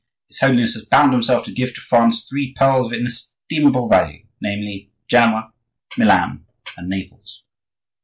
His Holiness has bound himself to give to France three pearls of inestimable value, namely: Genoa, Milan, and Naples."